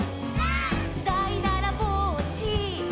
「」「だいだらぼっち」「」